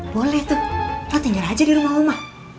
boleh tuh lo tinggal aja di rumah oma